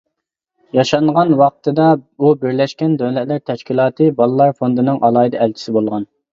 ياشانغان ۋاقتىدا ئۇ بىرلەشكەن دۆلەتلەر تەشكىلاتى بالىلار فوندىنىڭ ئالاھىدە ئەلچىسى بولغان.